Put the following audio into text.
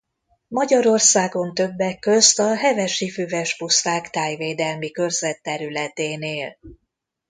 Magyarországon többek közt a Hevesi Füves Puszták Tájvédelmi Körzet területén él.